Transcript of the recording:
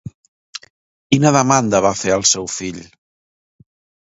Quina demanda va fer al seu fill?